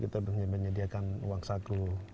mereka masuk kita menyediakan uang saku